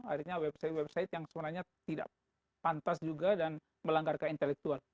akhirnya website website yang sebenarnya tidak pantas juga dan melanggar ke intelektual